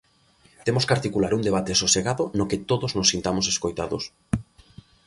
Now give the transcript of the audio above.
Temos que articular un debate sosegado no que todos nos sintamos escoitados.